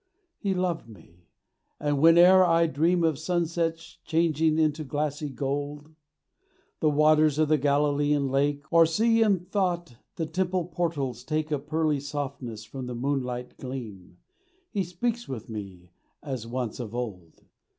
He loved me. And whene'er I dream Of sunsets changing into glassy gold The waters of the Galilean lake, Or see in thought the Temple portals take A pearly softness from the moonlight gleam, He speaks with me, as once of old.